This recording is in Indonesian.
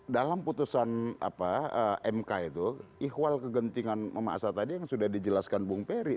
dalam putusan mk itu ikhwal kegentingan mama asa tadi yang sudah dijelaskan bung peri